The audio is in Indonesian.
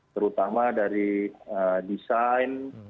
terutama dari desain